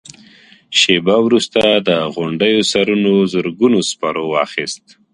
شېبه وروسته د غونډيو سرونو زرګونو سپرو واخيست.